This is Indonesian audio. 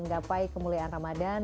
gapai kemuliaan ramadhan